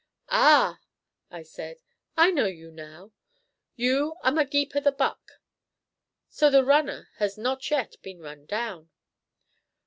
"Ah!" I said, "I know you now; you are Magepa the Buck. So the Runner has not yet been run down."